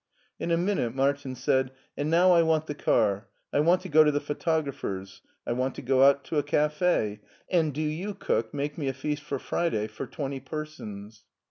In a minute Martin said : "And now I want the car; I want to go to the photographer's ; I want to go out to a cafe ; and do you, cook, make me a feast for Friday for twenty per sons."